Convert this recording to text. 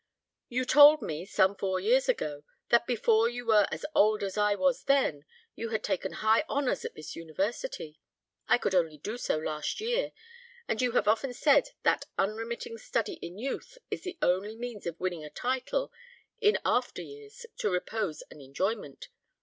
You told me, some four years ago, that before you were as old as I was then, you had taken high honours at this university. I could only do so last year; and you have often said that unremitting study in youth is the only means of winning a title in after years to repose and enjoyment.